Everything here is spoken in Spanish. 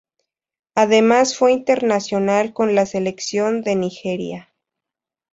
Además fue internacional con la Selección de Nigeria.